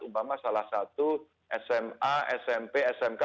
umpama salah satu sma smp smk